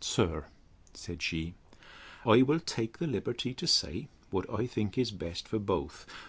Sir, said she, I will take the liberty to say, what I think is best for both.